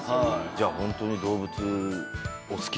じゃあホントに動物お好きなんですね。